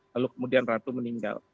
lalu kemudian ratu meninggal